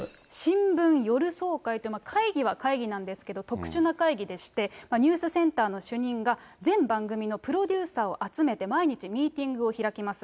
新聞夜総会と、会議は会議なんですけど、特殊な会議でして、ニュースセンターの主任が全番組のプロデューサーを集めて、毎日ミーティングを開きます。